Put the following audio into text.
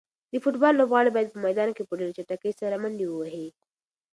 د فوټبال لوبغاړي باید په میدان کې په ډېره چټکۍ سره منډې ووهي.